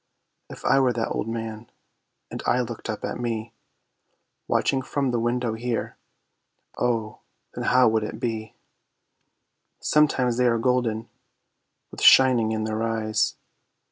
If I were that Old Man, and I looked up at me Watching from the window here, Oh, then how would it be? Sometimes they are golden, with shining in their eyes.